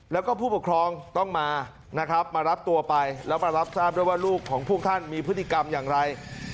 แล้วก็ผู้ปกครองต้องมานะครับมารับตัวไปแล้วมารับทราบด้วยว่าลูกของพวกท่านมีพฤติกรรมอย่างไร